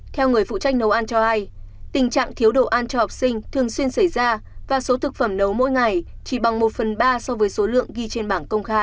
theo người phụ trách nấu ăn cho hay tình trạng thiếu đồ ăn cho học sinh thường xuyên xảy ra và số thực phẩm nấu mỗi ngày chỉ bằng một phần ba so với số lượng ghi trên bảng công khai